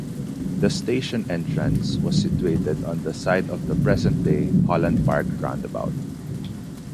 The station entrance was situated on the site of the present-day Holland Park roundabout.